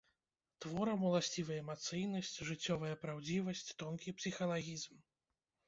Творам уласцівы эмацыйнасць, жыццёвая праўдзівасць, тонкі псіхалагізм.